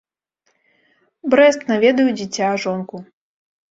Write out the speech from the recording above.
Брэст, наведаю дзіця, жонку.